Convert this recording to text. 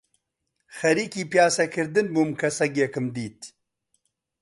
خەریکی پیاسە کردن بووم کە سەگێکم دیت